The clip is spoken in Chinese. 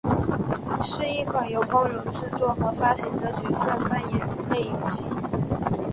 是一款由光荣制作和发行的角色扮演类游戏。